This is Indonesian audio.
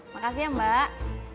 makasih ya mbak